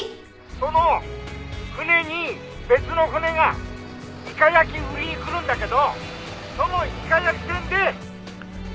「その船に別の船がイカ焼き売りに来るんだけどそのイカ焼き船で」